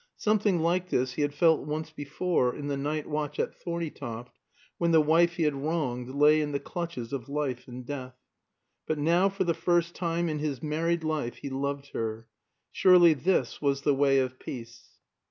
Something like this he had felt once before, in the night watch at Thorneytoft, when the wife he had wronged lay in the clutches of life and death. But now, for the first time in his married life, he loved her. Surely this was the way of peace.